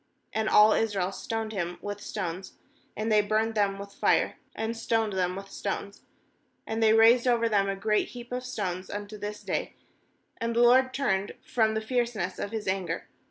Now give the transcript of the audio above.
And all Israel stoned him with stones; and they burned them with fire, and stoned them with stones. 26And they raised over him a great heap of stones, unto this day; and the LORD turned from the fierceness of His anger.